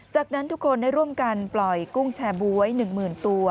จากนั้นทุกคนได้ร่วมกันปล่อยกุ้งแชร์บ๊วย๑๐๐๐ตัว